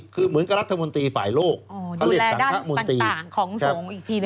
คือเหมือนกับรัฐมนตรีฝ่ายโลกอ๋อดูแลด้านต่างของสงฆ์อีกทีเลย